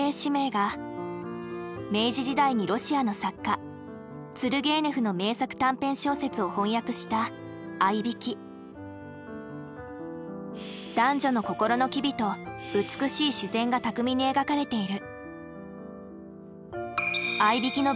明治時代にロシアの作家ツルゲーネフの名作短編小説を翻訳した「あいびき」。が巧みに描かれている。